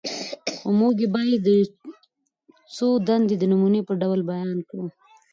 خو موږ به ئې څو دندي د نموني په ډول بيان کړو: